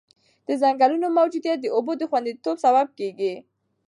د ځنګلونو موجودیت د اوبو د خونديتوب سبب کېږي.